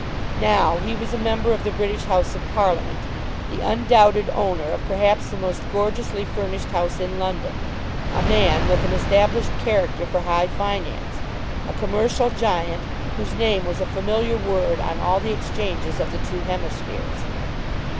Now he was a member of the British House of Parliament, the undoubted owner of perhaps the most gorgeously furnished house in London, a man with an established character for high finance, a commercial giant whose name was a familiar word on all the exchanges of the two hemispheres.